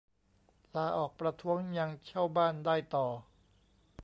ลาออกประท้วง ยังเช่าบ้านได้ต่อ